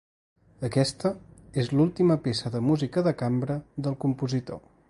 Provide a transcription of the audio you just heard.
Aquesta és l'última peça de música de cambra del compositor.